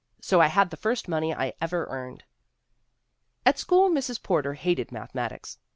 So I had the first money I ever earned/ ' At school Mrs. Porter hated mathematics.